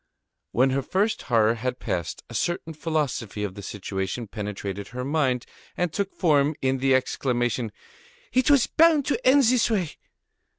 When her first horror had passed off, a certain philosophy of the situation penetrated her mind, and took form in the exclamation: "It was bound to end in this way!"